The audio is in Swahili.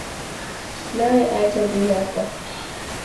Nawe acha dhihaka